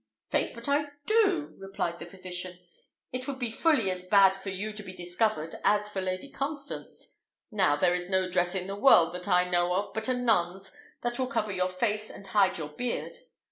"Faith, but I do!" replied the physician; "it would be fully as bad for you to be discovered as for Lady Constance. Now, there is no dress in the world that I know of but a nun's that will cover your face and hide your beard.